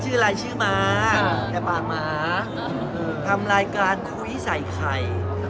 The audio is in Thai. แต่ว่าส่วนที่บิ๊ม๊าคอมมาก็งู้นอาถิกาย